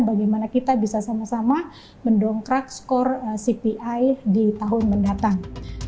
bagaimana kita bisa sama sama mendongkrak skor cpi di tahun mendatang